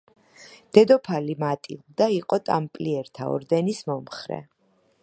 დედოფალი მატილდა იყო ტამპლიერთა ორდენის მომხრე.